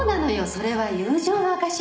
それは友情の証し